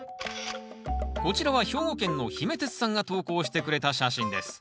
こちらは兵庫県のひめてつさんが投稿してくれた写真です。